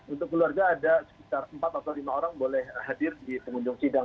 untuk keluarga ada sekitar empat atau lima orang boleh hadir di pengunjung sidang